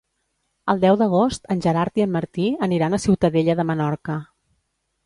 El deu d'agost en Gerard i en Martí aniran a Ciutadella de Menorca.